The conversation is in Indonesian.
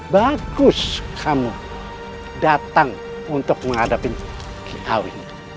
bagus kamu datang untuk menghadapi kiawi